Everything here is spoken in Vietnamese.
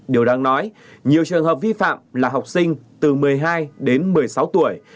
điều đáng nói nhiều trường hợp vi phạm là học sinh từ một mươi hai đến một mươi sáu tuổi